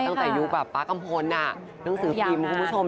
ตั้งแต่ยุปป๊ากัมพลหนังสือฟีมคุณผู้ชม